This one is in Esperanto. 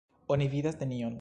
Oni vidas nenion.